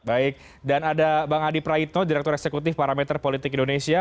baik dan ada bang adi praitno direktur eksekutif parameter politik indonesia